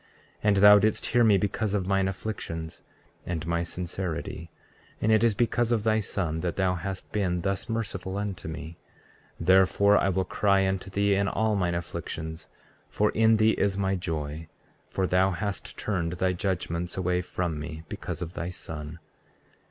33:11 And thou didst hear me because of mine afflictions and my sincerity; and it is because of thy Son that thou hast been thus merciful unto me, therefore I will cry unto thee in all mine afflictions, for in thee is my joy; for thou hast turned thy judgments away from me, because of thy Son.